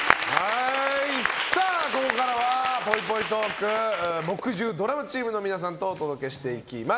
ここからはぽいぽいトーク木１０ドラマチームの皆さんとお届けしていきます。